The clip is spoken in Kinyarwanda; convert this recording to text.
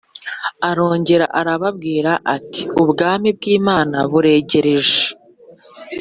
Arongera arababwira ati Ubwami bw Imana buregereje